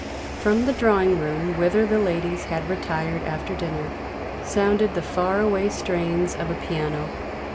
From the drawing room, whither the ladies had retired after dinner, sounded the far away strains of a piano.